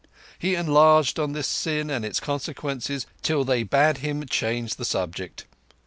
He enlarged on this sin and its consequences till they bade him change the subject.